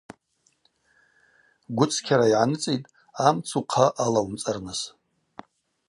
Гвыцкьара йгӏаныцӏитӏ амц ухъа алауымцӏарныс.